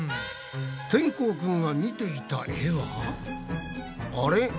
てんこうくんが見ていた絵はあれ！？